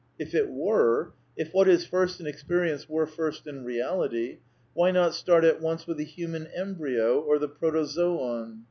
If it were, if what is first in experience were first in reality, why not start at once with the human embryo or the protozoon?